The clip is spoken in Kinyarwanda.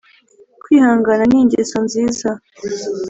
kwihangana ni ingeso nziza